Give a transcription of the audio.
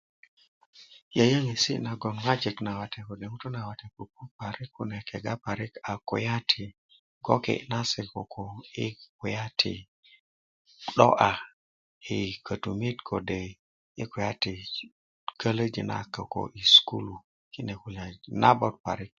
yöyöŋesi nagon ŋwajik na wate ko ŋutu na wate kune jore parik kune kega a kulya ti goki na se koko i kulya ti 'do'ya i kötumit kode i kulya ti koloji na se koko i sukulu kine kulya nabot parik